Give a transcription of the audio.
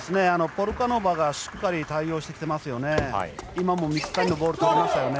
ポルカノバがしっかり対応してきてますね。